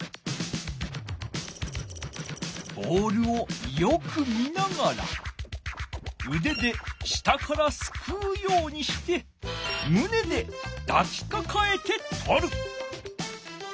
ボールをよく見ながらうでで下からすくうようにしてむねでだきかかえてとる。